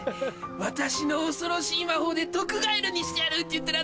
私の恐ろしい魔法で毒ガエルにしてやるって言ったら